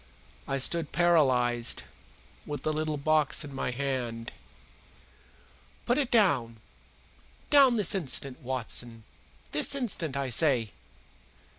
I stood paralyzed, with the little box in my hand. "Put it down! Down, this instant, Watson this instant, I say!"